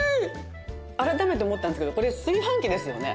改めて思ったんですけどこれ炊飯器ですよね？